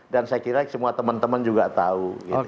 dan saya kira semua teman teman juga tahu